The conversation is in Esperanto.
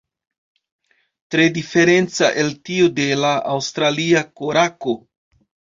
Tre diferenca el tiu de la Aŭstralia korako.